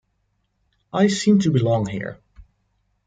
I seem to belong here.